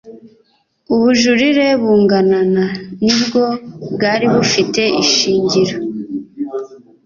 ubujurire bungana na ni bwo bwari bufite ishingiro